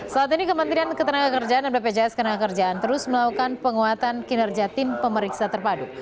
saat ini kementerian ketenagakerjaan dan bpjs ketenagakerjaan terus melakukan penguatan kinerja tim pemeriksa terpadu